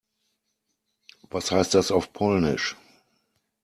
Was heißt das auf Polnisch?